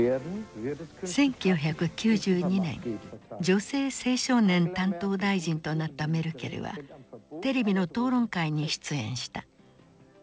女性・青少年担当大臣となったメルケルはテレビの討論会に出演した。